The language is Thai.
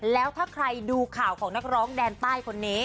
แล้วถ้าใครดูข่าวของนักร้องแดนใต้คนนี้